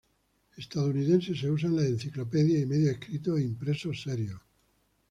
Estadounidense se usa en las enciclopedias y medios escritos e impresos serios.